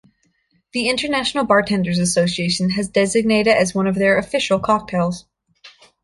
The International Bartenders Association has designated it as one of their Official Cocktails.